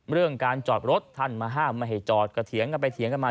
เรื่องการจอดรถท่านมาห้ามไม่ให้จอดก็เถียงกันไปเถียงกันมา